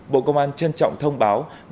bộ công an trân trọng thông báo